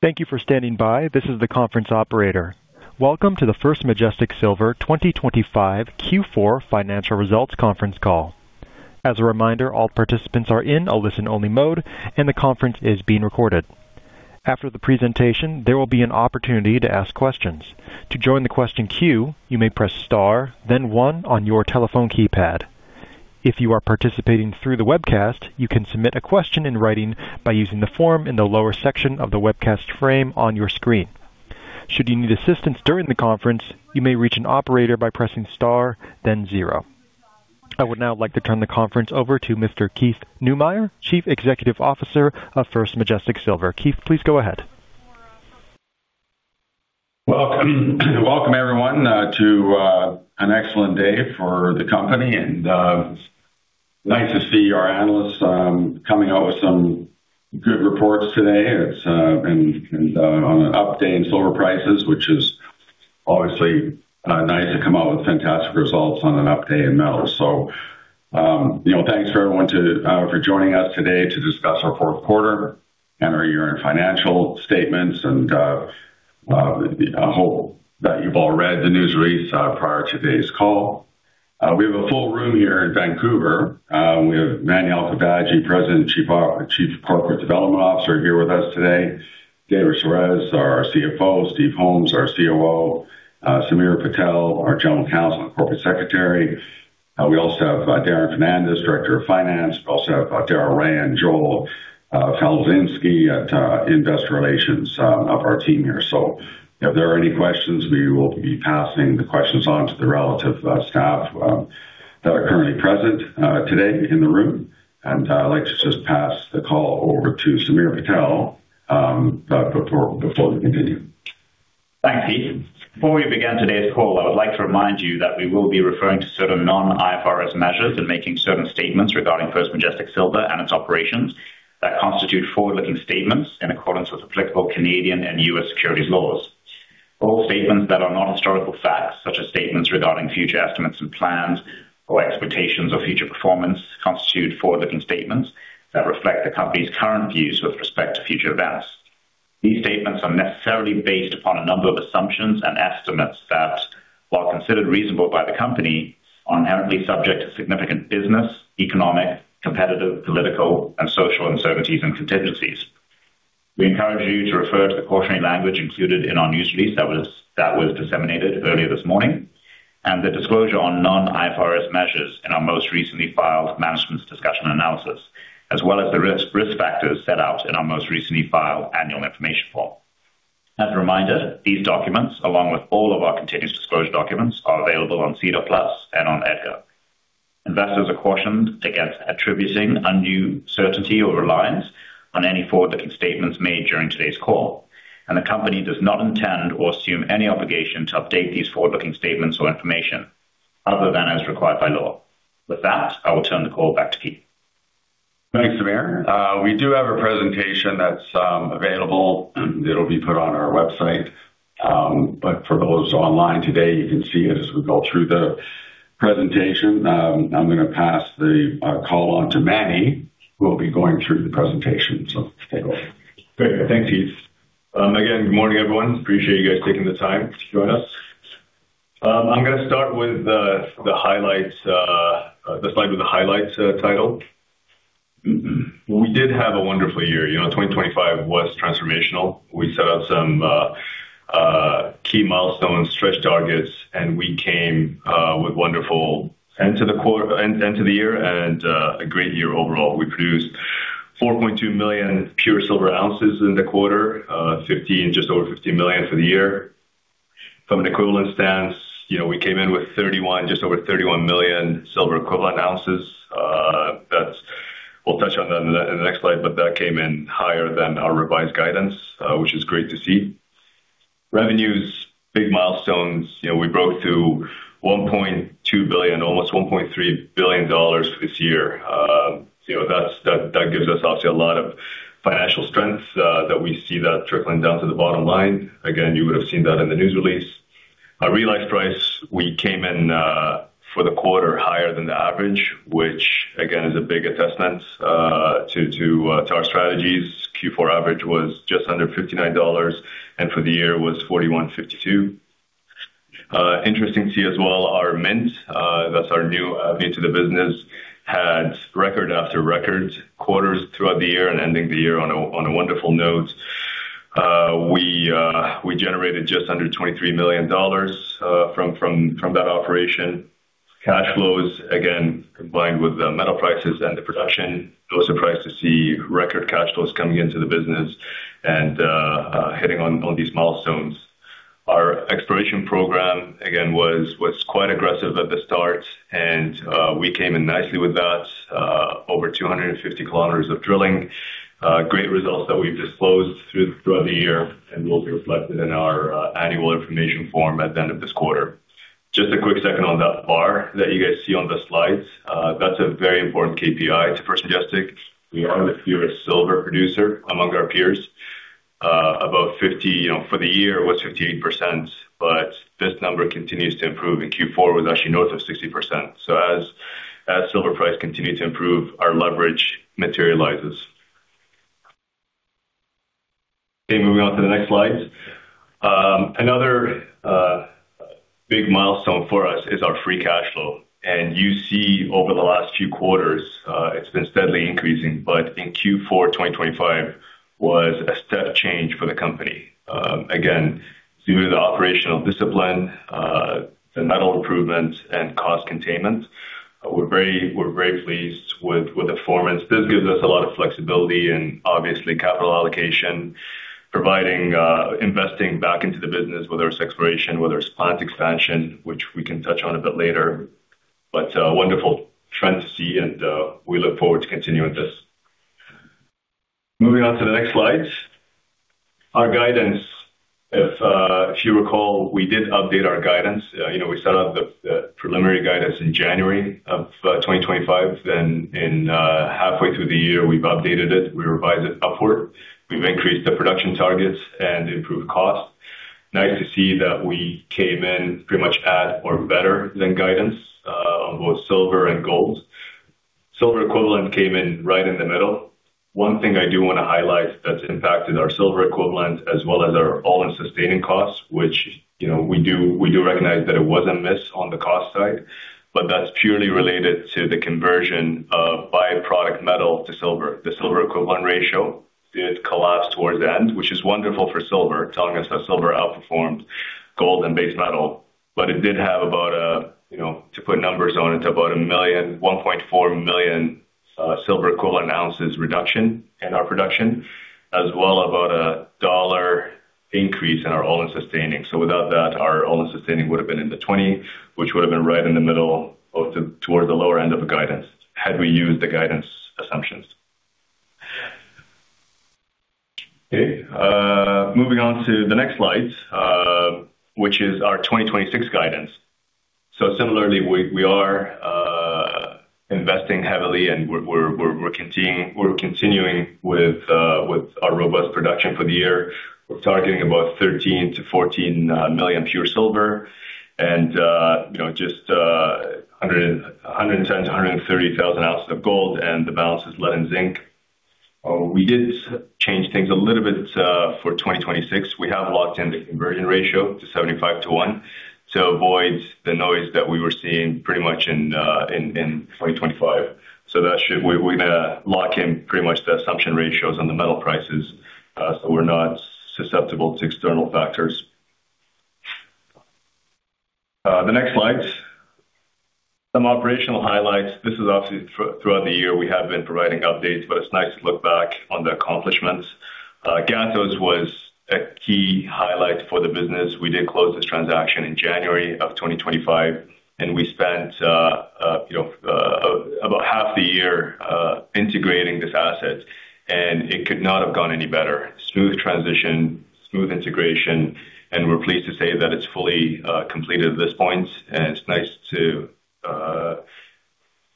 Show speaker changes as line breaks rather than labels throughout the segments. Thank you for standing by. This is the conference operator. Welcome to the First Majestic Silver 2025 Q4 Financial Results Conference Call. As a reminder, all participants are in a listen-only mode, and the conference is being recorded. After the presentation, there will be an opportunity to ask questions. To join the question queue, you may press star, then one on your telephone keypad. If you are participating through the webcast, you can submit a question in writing by using the form in the lower section of the webcast frame on your screen. Should you need assistance during the conference, you may reach an operator by pressing star, then zero. I would now like to turn the conference over to Mr. Keith Neumeyer, Chief Executive Officer of First Majestic Silver. Keith, please go ahead.
Welcome. Welcome, everyone, to an excellent day for the company, and nice to see our analysts coming out with some good reports today. It's been an up day in silver prices, which is obviously nice to come out with fantastic results on an up day in metal. So, you know, thanks to everyone for joining us today to discuss our fourth quarter and our year-end financial statements, and I hope that you've all read the news release prior to today's call. We have a full room here in Vancouver. We have Mani Alkhafaji, President and Chief Corporate Development Officer, here with us today. David Soares, our CFO, Steve Holmes, our COO, Samir Patel, our General Counsel and Corporate Secretary. We also have Darren Fernandez, Director of Finance. We also have Darrell Rae and Joel Faltinsky at Investor Relations of our team here. So if there are any questions, we will be passing the questions on to the relevant staff that are currently present today in the room. And I'd like to just pass the call over to Samir Patel before we continue.
Thanks, Keith. Before we begin today's call, I would like to remind you that we will be referring to certain non-IFRS measures and making certain statements regarding First Majestic Silver and its operations that constitute forward-looking statements in accordance with applicable Canadian and U.S. securities laws. All statements that are not historical facts, such as statements regarding future estimates and plans or expectations of future performance, constitute forward-looking statements that reflect the company's current views with respect to future events. These statements are necessarily based upon a number of assumptions and estimates that, while considered reasonable by the company, are inherently subject to significant business, economic, competitive, political, and social uncertainties and contingencies. We encourage you to refer to the cautionary language included in our news release that was disseminated earlier this morning, and the disclosure on non-IFRS measures in our most recently filed Management's Discussion and Analysis, as well as the risk factors set out in our most recently filed Annual Information Form. As a reminder, these documents, along with all of our continuous disclosure documents, are available on SEDAR+ and on EDGAR. Investors are cautioned against attributing undue certainty or reliance on any forward-looking statements made during today's call, and the company does not intend or assume any obligation to update these forward-looking statements or information other than as required by law. With that, I will turn the call back to Keith.
Thanks, Samir. We do have a presentation that's available. It'll be put on our website, but for those online today, you can see it as we go through the presentation. I'm going to pass the call on to Mani, who will be going through the presentation. Take it away.
Great. Thanks, Keith. Good morning, everyone. Appreciate you guys taking the time to join us. I'm going to start with the highlights, the slide with the highlights, title. We did have a wonderful year. You know, 2025 was transformational. We set out some key milestones, stretch targets, and we came with wonderful end to the quarter, end to the year and a great year overall. We produced 4.2 million pure silver ounces in the quarter, just over 15 million for the year. From an equivalent stance, you know, we came in with 31, just over 31 million silver equivalent ounces. That's, we'll touch on that in the next slide, but that came in higher than our revised guidance, which is great to see. Revenues, big milestones. You know, we broke through $1.2 billion, almost $1.3 billion this year. You know, that's, that, that gives us obviously a lot of financial strength, that we see that trickling down to the bottom line. Again, you would have seen that in the news release. Our realized price, we came in, for the quarter, higher than the average, which again, is a big testament to our strategies. Q4 average was just under $59, and for the year was $41.52. Interesting to see as well, our mint, that's our new, [mint to the business] had record after record quarters throughout the year and ending the year on a, on a wonderful note. We generated just under $23 million from that operation. Cash flows, again, combined with the metal prices and the production, no surprise to see record cash flows coming into the business and, hitting on, on these milestones. Our exploration program, again, was quite aggressive at the start, and, we came in nicely with that, over 250 km of drilling. Great results that we've disclosed throughout the year and will be reflected in our Annual Information Form at the end of this quarter. Just a quick second on that bar that you guys see on the slides. That's a very important KPI to First Majestic. We are the purest silver producer among our peers. About 50%, you know, for the year, it was 58%, but this number continues to improve, and Q4 was actually north of 60%. So as-... As silver price continue to improve, our leverage materializes. Okay, moving on to the next slide. Another big milestone for us is our free cash flow. And you see over the last few quarters, it's been steadily increasing, but in Q4 2025 was a step change for the company. Again, due to the operational discipline, the metal improvements and cost containment, we're very, we're very pleased with, with the performance. This gives us a lot of flexibility and obviously capital allocation, providing, investing back into the business, whether it's exploration, whether it's plant expansion, which we can touch on a bit later. But wonderful trend to see, and we look forward to continuing this. Moving on to the next slide. Our guidance, if you recall, we did update our guidance. You know, we set out the preliminary guidance in January of 2025. Then halfway through the year, we've updated it, we revised it upward. We've increased the production targets and improved costs. Nice to see that we came in pretty much at or better than guidance on both silver and gold. Silver equivalent came in right in the middle. One thing I do want to highlight that's impacted our silver equivalent, as well as our all-in sustaining costs, which, you know, we do, we do recognize that it was a miss on the cost side, but that's purely related to the conversion of byproduct metal to silver. The silver equivalent ratio did collapse towards the end, which is wonderful for silver, telling us that silver outperformed gold and base metal. But it did have about a, you know, to put numbers on it, about 1 million, 1.4 million silver-equivalent ounces reduction in our production, as well about a $1 increase in our all-in sustaining. So without that, our all-in sustaining would have been in the $20, which would have been right in the middle of the, toward the lower end of the guidance, had we used the guidance assumptions. Okay, moving on to the next slide, which is our 2026 guidance. So similarly, we are investing heavily, and we're continuing with our robust production for the year. We're targeting about 13 million-14 million pure silver and, you know, just 110,000-130,000 ounces of gold, and the balance is lead and zinc. We did change things a little bit for 2026. We have locked in the conversion ratio to 75:1 to avoid the noise that we were seeing pretty much in 2025. So that should... We're going to lock in pretty much the assumption ratios on the metal prices, so we're not susceptible to external factors. The next slide. Some operational highlights. This is obviously throughout the year, we have been providing updates, but it's nice to look back on the accomplishments. Gatos was a key highlight for the business. We did close this transaction in January of 2025, and we spent, you know, about half the year integrating this asset, and it could not have gone any better. Smooth transition, smooth integration, and we're pleased to say that it's fully completed at this point, and it's nice to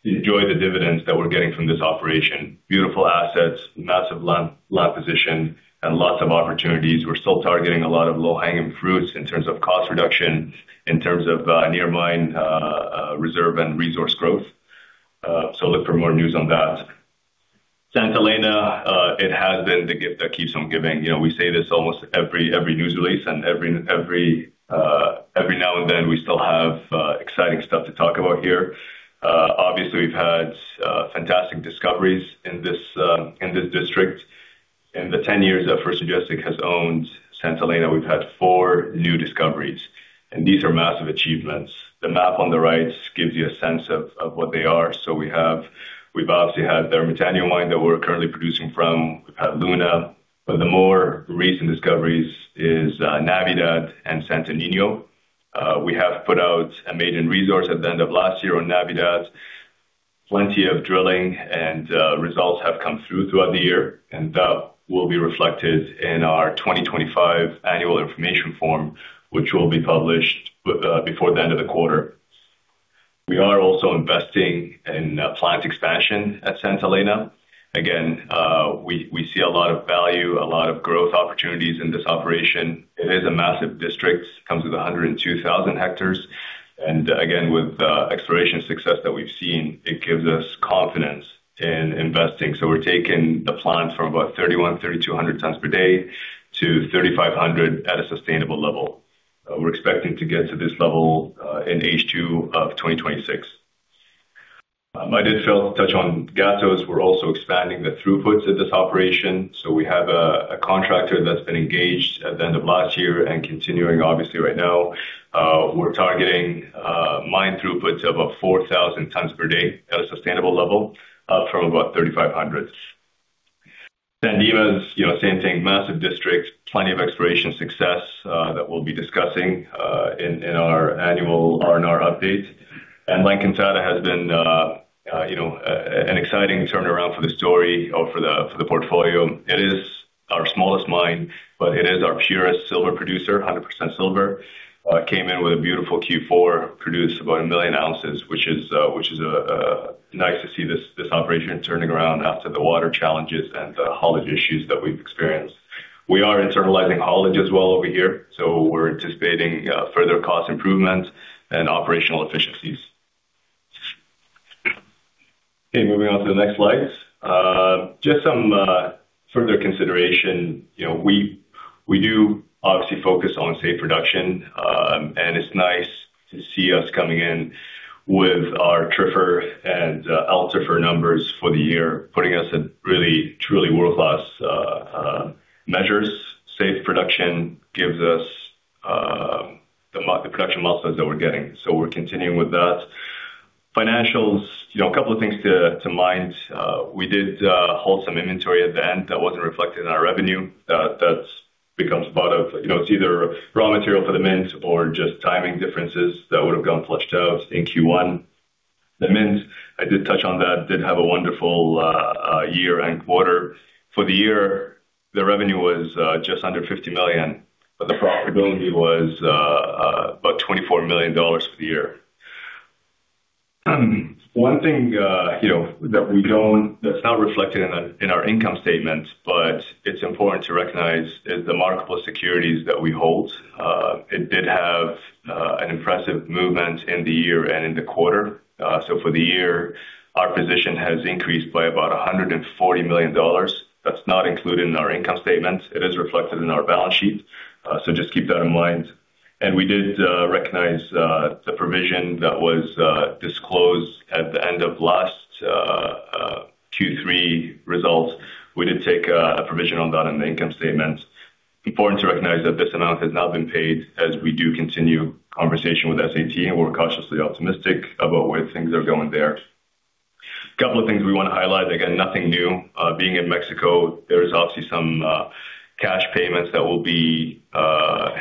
enjoy the dividends that we're getting from this operation. Beautiful assets, massive land, land position, and lots of opportunities. We're still targeting a lot of low-hanging fruits in terms of cost reduction, in terms of near mine reserve and resource growth. So look for more news on that. Santa Elena it has been the gift that keeps on giving. You know, we say this almost every news release and every now and then, we still have exciting stuff to talk about here. Obviously, we've had fantastic discoveries in this district. In the 10 years that First Majestic has owned Santa Elena, we've had four new discoveries, and these are massive achievements. The map on the right gives you a sense of what they are. So we've obviously had the Ermitaño mine that we're currently producing from. We've had Luna, but the more recent discoveries is Navidad and Santo Niño. We have put out a maiden resource at the end of last year on Navidad. Plenty of drilling and results have come through throughout the year, and that will be reflected in our 2025 Annual Information Form, which will be published before the end of the quarter. We are also investing in plant expansion at Santa Elena. Again, we see a lot of value, a lot of growth opportunities in this operation. It is a massive district, comes with 102,000 hectares, and again, with the exploration success that we've seen, it gives us confidence in investing. So we're taking the plant from about 3,100 tons-3,200 tons per day to 3,500 at a sustainable level. We're expecting to get to this level in H2 of 2026. I did fail to touch on Gatos. We're also expanding the throughputs of this operation, so we have a contractor that's been engaged at the end of last year and continuing, obviously, right now. We're targeting mine throughputs of about 4,000 tons per day at a sustainable level from about 3,500. San Dimas, you know, same thing, massive district, plenty of exploration success that we'll be discussing in our annual R&R update. And La Encantada has been, you know, an exciting turnaround for the story or for the portfolio. It is our smallest mine, but it is our purest silver producer, 100% silver. It came in with a beautiful Q4, produced about 1 million ounces, which is nice to see this operation turning around after the water challenges and the haulage issues that we've experienced. We are internalizing hauling as well over here, so we're anticipating further cost improvements and operational efficiencies. Okay, moving on to the next slide. Just some further consideration. You know, we do obviously focus on safe production, and it's nice to see us coming in with our TRIFR and LTIFR numbers for the year, putting us in really, truly world-class measures. Safe production gives us the production milestones that we're getting, so we're continuing with that. Financials, you know, a couple of things to mind. We did hold some inventory at the end that wasn't reflected in our revenue. That becomes part of, you know, it's either raw material for the mint or just timing differences that would have gone flushed out in Q1. The mint, I did touch on that, did have a wonderful year and quarter. For the year, the revenue was just under $50 million, but the profitability was about $24 million for the year. One thing, you know, that we don't-- that's not reflected in our income statement, but it's important to recognize, is the marketable securities that we hold. It did have an impressive movement in the year and in the quarter. So for the year, our position has increased by about $140 million. That's not included in our income statement. It is reflected in our balance sheet, so just keep that in mind. And we did recognize the provision that was disclosed at the end of last Q3 results. We did take a provision on that in the income statement. Important to recognize that this amount has not been paid, as we do continue conversation with SAT, and we're cautiously optimistic about where things are going there. A couple of things we want to highlight, again, nothing new. Being in Mexico, there is obviously some cash payments that will be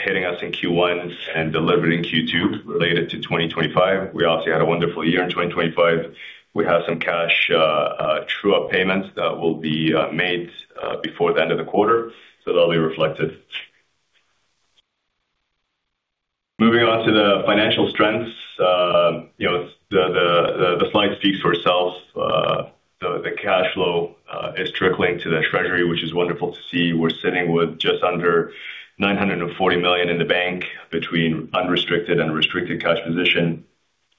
hitting us in Q1 and delivered in Q2 related to 2025. We obviously had a wonderful year in 2025. We have some cash, true-up payments that will be made before the end of the quarter, so that'll be reflected. Moving on to the financial strengths. You know, the slide speaks for itself. The cash flow is trickling to the treasury, which is wonderful to see. We're sitting with just under $940 million in the bank between unrestricted and restricted cash position.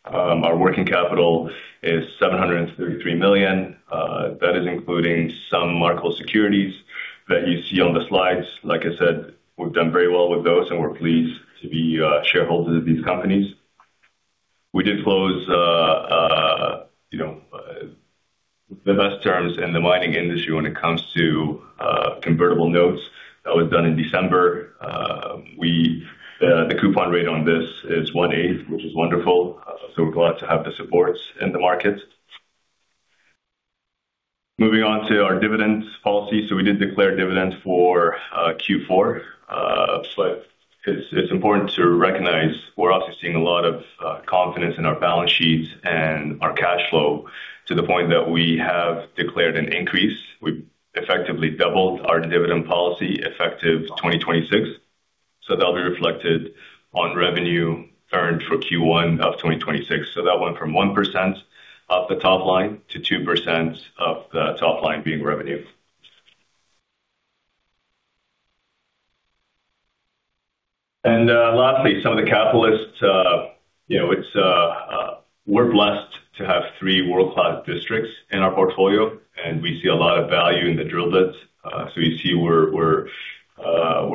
Our working capital is $733 million. That is including some marketable securities that you see on the slides. Like I said, we've done very well with those, and we're pleased to be shareholders of these companies. We did close, you know, the best terms in the mining industry when it comes to convertible notes. That was done in December. We, the coupon rate on this is 1/8, which is wonderful. So we're glad to have the support in the market. Moving on to our dividend policy. So we did declare dividends for Q4. But it's important to recognize, we're also seeing a lot of confidence in our balance sheets and our cash flow, to the point that we have declared an increase. We've effectively doubled our dividend policy, effective 2026. So that'll be reflected on revenue earned for Q1 of 2026. So that went from 1% of the top line to 2% of the top line being revenue. And lastly, some of the catalysts, you know, it's, we're blessed to have three world-class districts in our portfolio, and we see a lot of value in the drill bits. So you see, we're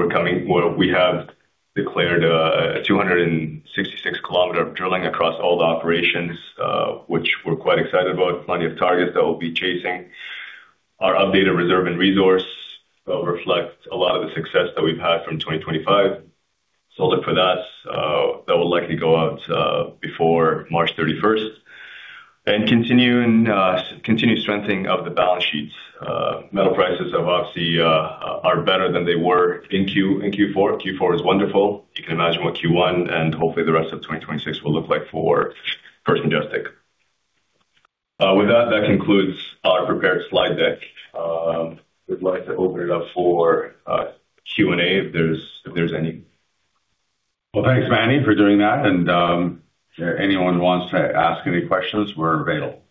coming. Well, we have declared a 266 km of drilling across all the operations, which we're quite excited about. Plenty of targets that we'll be chasing. Our updated reserve and resource reflect a lot of the success that we've had from 2025. So look for that. That will likely go out before March 31st. Continued strengthening of the balance sheets. Metal prices have obviously are better than they were in Q4. Q4 is wonderful. You can imagine what Q1 and hopefully the rest of 2026 will look like for First Majestic. With that, that concludes our prepared slide deck. We'd like to open it up for Q&A, if there's any.
Well, thanks, Mani, for doing that. If anyone wants to ask any questions, we're available.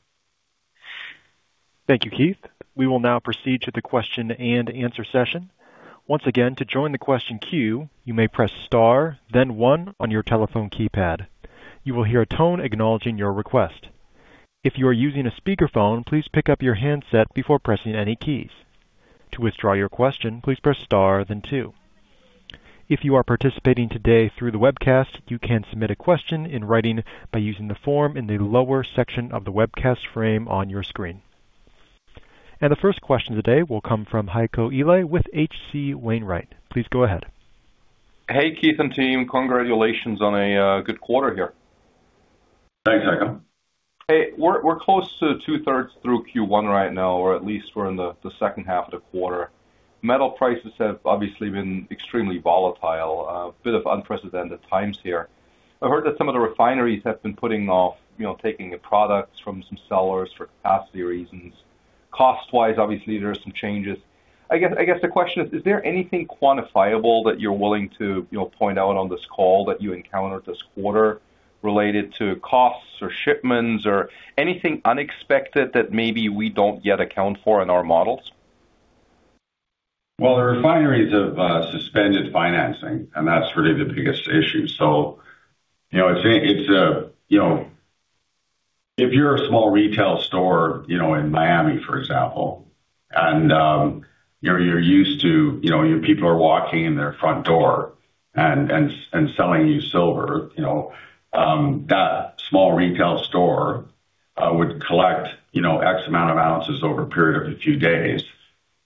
Thank you, Keith. We will now proceed to the question-and-answer session. Once again, to join the question queue, you may press star, then one on your telephone keypad. You will hear a tone acknowledging your request. If you are using a speakerphone, please pick up your handset before pressing any keys. To withdraw your question, please press star then two. If you are participating today through the webcast, you can submit a question in writing by using the form in the lower section of the webcast frame on your screen. The first question today will come from Heiko Ihle with H.C. Wainwright. Please go ahead.
Hey, Keith and team. Congratulations on a good quarter here.
Thanks, Heiko.
Hey, we're close to 2/3 through Q1 right now, or at least we're in the second half of the quarter. Metal prices have obviously been extremely volatile, bit of unprecedented times here. I heard that some of the refineries have been putting off, you know, taking the products from some sellers for capacity reasons. Cost-wise, obviously, there are some changes. I guess the question is: Is there anything quantifiable that you're willing to, you know, point out on this call that you encountered this quarter related to costs or shipments or anything unexpected that maybe we don't yet account for in our models? ...
Well, the refineries have suspended financing, and that's really the biggest issue. So, you know, I think it's, you know, if you're a small retail store, you know, in Miami, for example, and, you're used to, you know, your people are walking in their front door and selling you silver, you know, that small retail store would collect, you know, X amount of ounces over a period of a few days.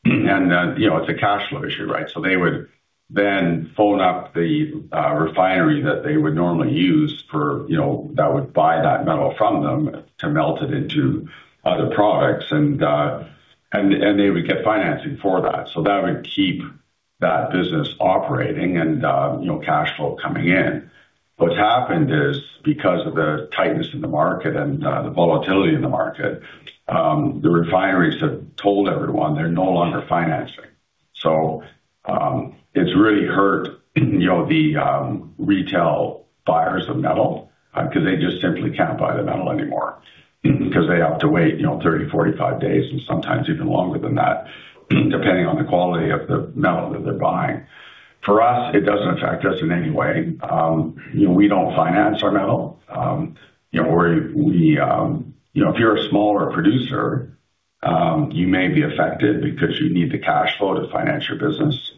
And then, you know, it's a cash flow issue, right? So they would then phone up the refinery that they would normally use for, you know, that would buy that metal from them to melt it into other products, and they would get financing for that. So that would keep that business operating and, you know, cash flow coming in. What's happened is, because of the tightness in the market and the volatility in the market, the refineries have told everyone they're no longer financing. So, it's really hurt, you know, the retail buyers of metal, because they just simply can't buy the metal anymore because they have to wait, you know, 30, 45 days and sometimes even longer than that, depending on the quality of the metal that they're buying. For us, it doesn't affect us in any way. You know, we don't finance our metal. You know, if you're a smaller producer, you may be affected because you need the cash flow to finance your business.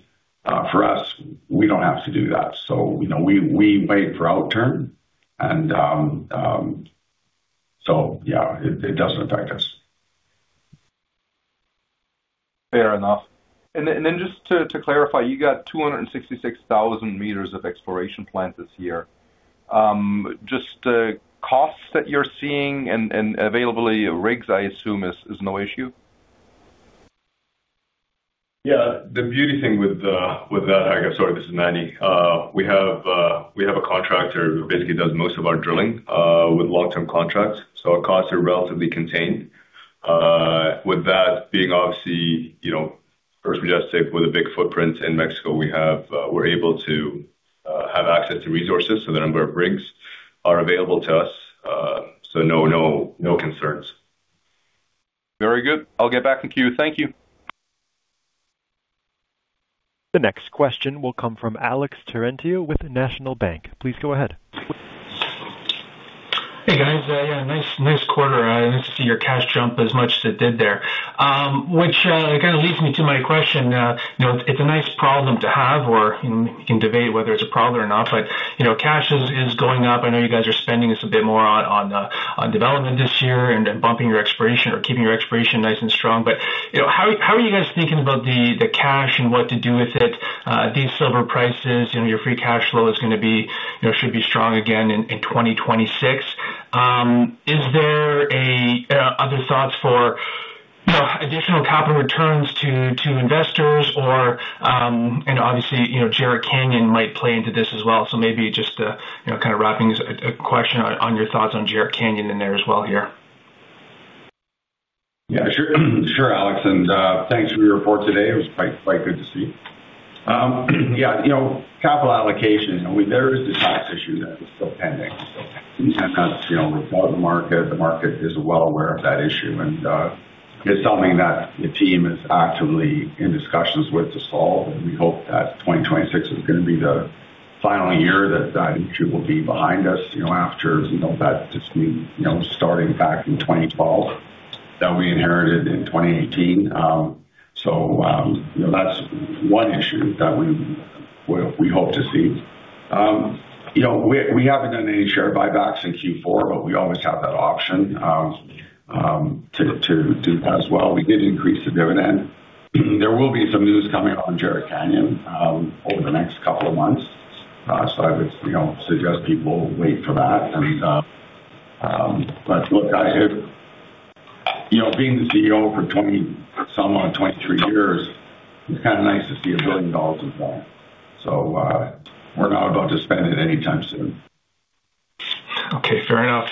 For us, we don't have to do that, so, you know, we wait for our turn and, so, yeah, it doesn't affect us.
Fair enough. And then just to clarify, you got 266,000 meters of exploration plans this year. Just the costs that you're seeing and availability of rigs, I assume, is no issue?
Yeah. The beauty thing with, with that, sorry, this is Mani. We have, we have a contractor who basically does most of our drilling, with long-term contracts, so our costs are relatively contained. With that being obviously, you know, First Majestic with a big footprint in Mexico, we have, we're able to, have access to resources, so the number of rigs are available to us. So no, no, no concerns.
Very good. I'll get back in queue. Thank you.
The next question will come from Alex Terentiew with National Bank. Please go ahead.
Hey, guys. Yeah, nice, nice quarter. Nice to see your cash jump as much as it did there. Which kind of leads me to my question. You know, it's a nice problem to have, or you can debate whether it's a problem or not, but you know, cash is going up. I know you guys are spending this a bit more on development this year and bumping your exploration or keeping your exploration nice and strong. But you know, how are you guys thinking about the cash and what to do with it? These silver prices, you know, your free cash flow is going to be, you know, should be strong again in 2026. Is there other thoughts for, you know, additional capital returns to investors or, and obviously, you know, Jerritt Canyon might play into this as well. So maybe just, you know, kind of wrapping a question on your thoughts on Jerritt Canyon in there as well here.
Yeah, sure. Sure, Alex, and thanks for your report today. It was quite, quite good to see. Yeah, you know, capital allocation, there is this tax issue that is still pending. So that's, you know, the market, the market is well aware of that issue, and it's something that the team is actively in discussions with to solve, and we hope that 2026 is going to be the final year that that issue will be behind us, you know, after, you know, that just, you know, starting back in 2012, that we inherited in 2018. So, you know, that's one issue that we hope to see. You know, we haven't done any share buybacks in Q4, but we always have that option to do that as well. We did increase the dividend. There will be some news coming on Jerritt Canyon over the next couple of months. So I would, you know, suggest people wait for that. Let's look at it. You know, being the CEO for 20, somewhat 23 years, it's kind of nice to see $1 billion in value. So, we're not about to spend it anytime soon.
Okay, fair enough.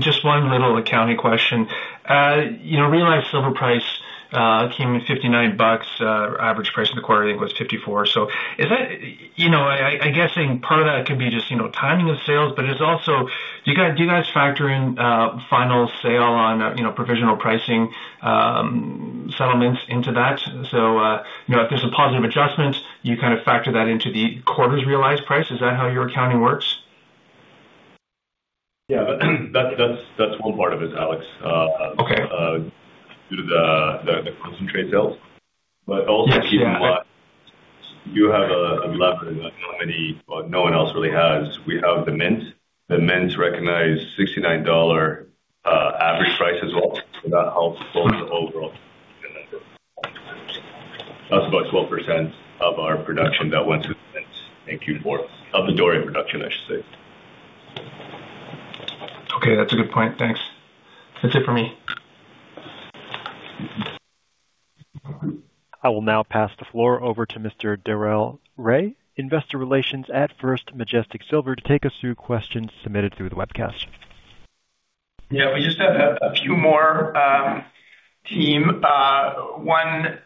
Just one little accounting question. You know, realized silver price came in $59, average price in the quarter, it was $54. So is that, you know, I, I'm guessing part of that could be just, you know, timing of sales, but it's also, do you guys, do you guys factor in final sale on, you know, provisional pricing, settlements into that? So, you know, if there's a positive adjustment, you kind of factor that into the quarter's realized price. Is that how your accounting works?
Yeah, that's one part of it, Alex.
Okay.
Due to the concentrate sales.
Yes. Yeah.
But also, you have a lot, many, but no one else really has. We have the mint. The mint recognize $69 average price as well. That helps both the overall. That's about 12% of our production that went through the mint in Q4, of the Doré production, I should say.
Okay, that's a good point. Thanks. That's it for me.
I will now pass the floor over to Mr. Darrell Rae, Investor Relations at First Majestic Silver, to take us through questions submitted through the webcast.
Yeah, we just have a few more, team. One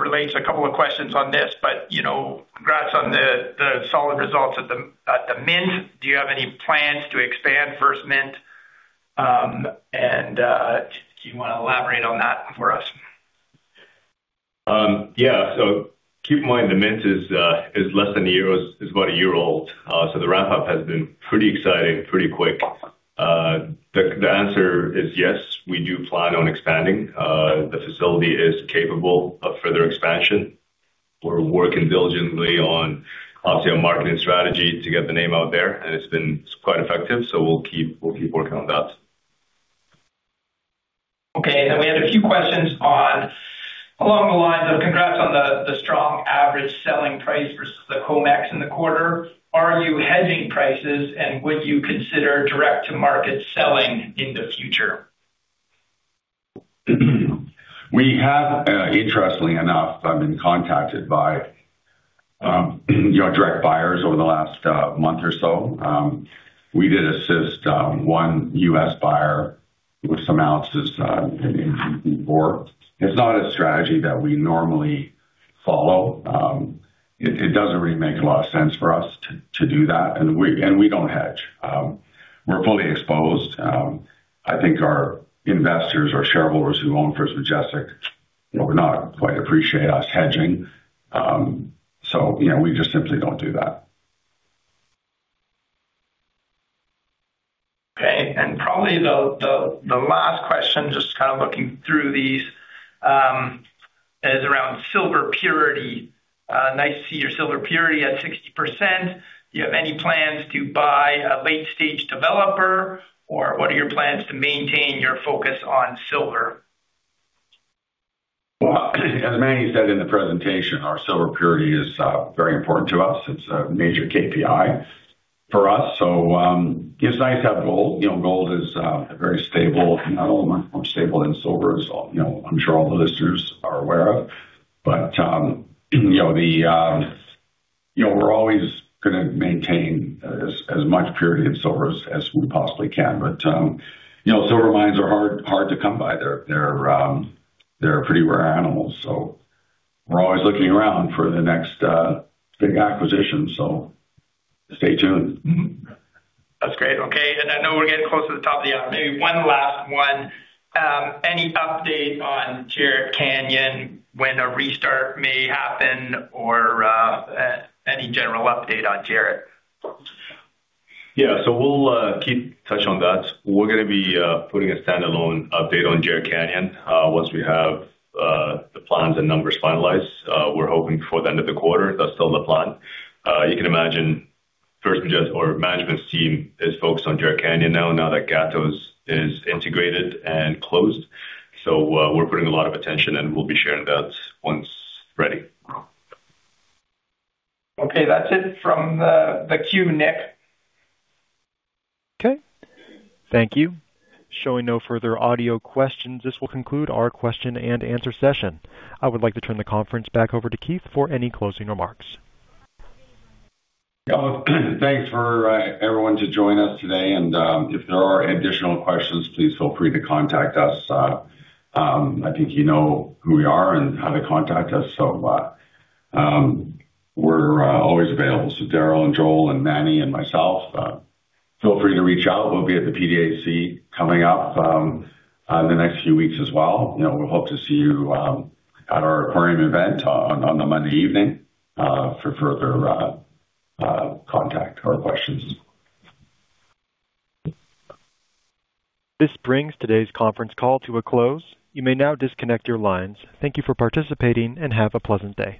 relates a couple of questions on this, but you know, congrats on the solid results at the mint. Do you have any plans to expand First Mint?... and do you want to elaborate on that for us?
Yeah. So keep in mind, the mint is less than a year old. It's about a year old. So the ramp-up has been pretty exciting, pretty quick. The answer is yes, we do plan on expanding. The facility is capable of further expansion. We're working diligently on, obviously, our marketing strategy to get the name out there, and it's been quite effective, so we'll keep working on that.
Okay. And we had a few questions on along the lines of congrats on the strong average selling price versus the COMEX in the quarter. Are you hedging prices, and would you consider direct-to-market selling in the future?
We have, interestingly enough, I've been contacted by, you know, direct buyers over the last month or so. We did assist one U.S. buyer with some ounces in Q4. It's not a strategy that we normally follow. It doesn't really make a lot of sense for us to do that. And we don't hedge. We're fully exposed. I think our investors or shareholders who own First Majestic would not quite appreciate us hedging. So, you know, we just simply don't do that.
Okay, and probably the last question, just kind of looking through these, is around silver purity. Nice to see your silver purity at 60%. Do you have any plans to buy a late-stage developer, or what are your plans to maintain your focus on silver?
Well, as Mani said in the presentation, our silver purity is very important to us. It's a major KPI for us. So, it's nice to have gold. You know, gold is a very stable metal, more stable than silver, as you know, I'm sure all the listeners are aware of. But, you know, the, you know, we're always going to maintain as much purity in silver as we possibly can. But, you know, silver mines are hard, hard to come by. They're, they're, they're pretty rare animals, so we're always looking around for the next big acquisition, so stay tuned.
That's great. Okay, and I know we're getting close to the top of the hour. Maybe one last one. Any update on Jerritt Canyon, when a restart may happen or, any general update on Jerritt?
Yeah, so we'll keep touch on that. We're going to be putting a standalone update on Jerritt Canyon once we have the plans and numbers finalized. We're hoping before the end of the quarter. That's still the plan. You can imagine First Majestic or management's team is focused on Jerritt Canyon now, now that Gatos is integrated and closed. So, we're putting a lot of attention, and we'll be sharing that once ready.
Okay. That's it from the queue, Nick.
Okay, thank you. Showing no further audio questions, this will conclude our question-and-answer session. I would like to turn the conference back over to Keith for any closing remarks.
Thanks for everyone to join us today. If there are additional questions, please feel free to contact us. I think you know who we are and how to contact us. We're always available. Darrel and Joel and Mani and myself, feel free to reach out. We'll be at the PDAC coming up in the next few weeks as well. You know, we'll hope to see you at our aquarium event on the Monday evening for further contact or questions.
This brings today's conference call to a close. You may now disconnect your lines. Thank you for participating, and have a pleasant day.